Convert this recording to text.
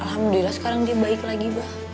alhamdulillah sekarang dia baik lagi mbak